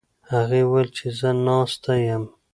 هغې وویل چې زه ناسته یم.